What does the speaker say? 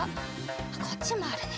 こっちもあるね。